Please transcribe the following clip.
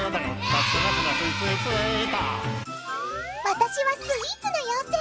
私はスイーツの妖精！